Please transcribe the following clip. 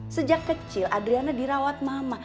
sejak kecil adriana dirawat mama